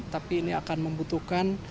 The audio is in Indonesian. tapi ini akan membutuhkan